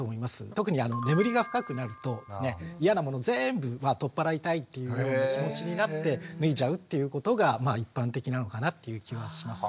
特に眠りが深くなると嫌なもの全部取っ払いたいっていう気持ちになって脱いじゃうっていうことが一般的なのかなっていう気はしますね。